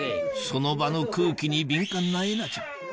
その場の空気に敏感なえなちゃん